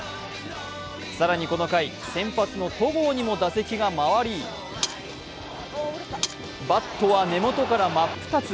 更に、この回、先発の戸郷にも打席が回りバットは根元から真っ二つ。